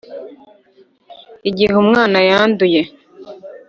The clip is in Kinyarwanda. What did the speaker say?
igihe umwana yanduye,